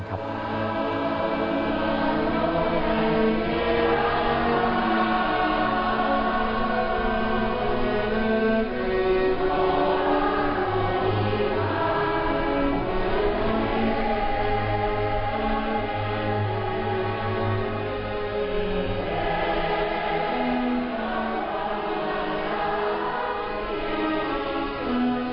อาเมนอาเมนอาเมน